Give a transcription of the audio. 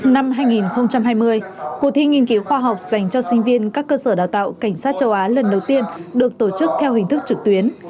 năm hai nghìn hai mươi cuộc thi nghiên cứu khoa học dành cho sinh viên các cơ sở đào tạo cảnh sát châu á lần đầu tiên được tổ chức theo hình thức trực tuyến